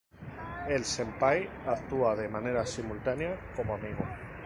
El "senpai" actúa de manera simultánea como amigo.